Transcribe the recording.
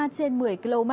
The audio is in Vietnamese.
trên một mươi km